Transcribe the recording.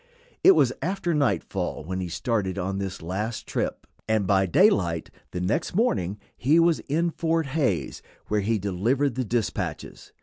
It was after nightfall when he started on this last trip, and by daylight the next morning he was in Fort Hays, where he delivered the dispatches.